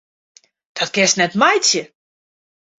Dat kinst net meitsje!